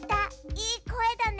いいこえだね。